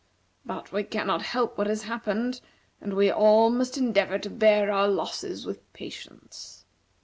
But we cannot help what has happened, and we all must endeavor to bear our losses with patience.